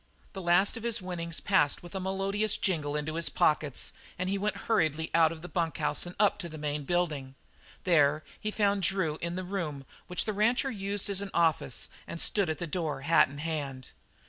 The last of his winnings passed with a melodious jingling into his pockets and he went hurriedly out of the bunk house and up to the main building. There he found Drew in the room which the rancher used as an office, and stood at the door hat in hand.